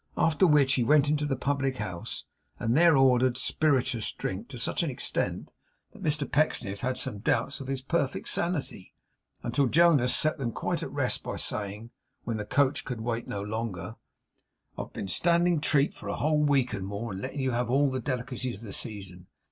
After which, he went into the public house, and there ordered spirituous drink to such an extent, that Mr Pecksniff had some doubts of his perfect sanity, until Jonas set them quite at rest by saying, when the coach could wait no longer: 'I've been standing treat for a whole week and more, and letting you have all the delicacies of the season.